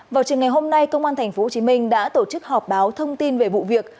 vào trường ngày hôm nay công an tp hcm đã tổ chức họp báo thông tin về vụ việc